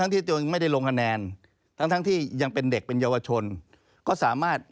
ที่ตัวเองไม่ได้ลงคะแนนทั้งที่ยังเป็นเด็กเป็นเยาวชนก็สามารถ